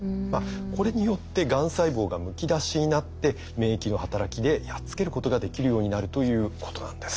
これによってがん細胞がむき出しになって免疫の働きでやっつけることができるようになるということなんです。